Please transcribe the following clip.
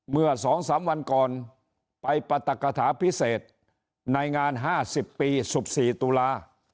เมื่อ๒๓วันก่อนไปปรัฐกฐาพิเศษในงาน๕๐ปี๑๔ตุลา